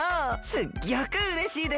すっギョくうれしいですよ。